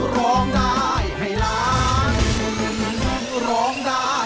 ร้องได้ให้ล้าง